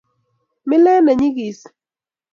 Milet ne nyigis